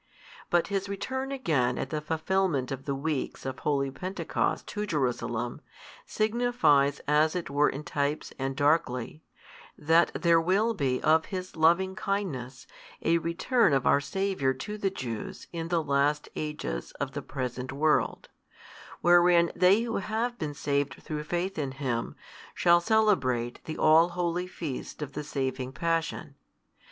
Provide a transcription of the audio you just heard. But His return again at the fulfilment of the weeks of |237 holy Pentecost to Jerusalem, signifies as it were in types and darkly, that there will be of His Loving Kindness a return of our Saviour to the Jews in the last ages of the present world, wherein they who have been saved through faith in Him, shall celebrate the all holy feasts of the saving Passion.